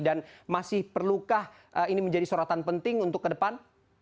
dan masih perlukah ini menjadi sorotan penting untuk ke depan